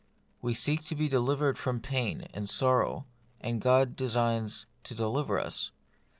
We seek to be delivered from pain and sorrow, and God designs to deliver us.